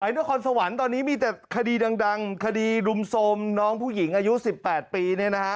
นครสวรรค์ตอนนี้มีแต่คดีดังคดีรุมโทรมน้องผู้หญิงอายุ๑๘ปี